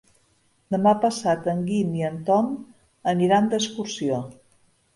Demà passat en Guim i en Tom aniran d'excursió.